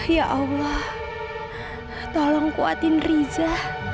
ya allah tolong kuatin riza